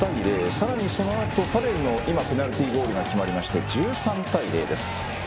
さらにそのあとファレルの今、ペナルティゴールが決まって１３対０です。